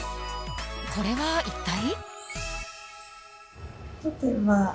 これは一体？